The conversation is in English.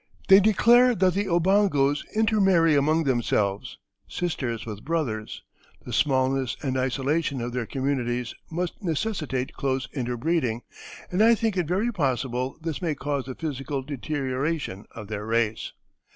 They declare that the Obongos intermarry among themselves, sisters with brothers. The smallness and isolation of their communities must necessitate close interbreeding; and I think it very possible this may cause the physical deterioration of their race."